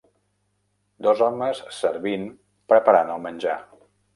Dos homes servint preparant el menjar.